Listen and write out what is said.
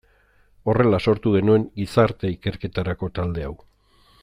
Horrela sortu genuen gizarte ikerketarako talde hau.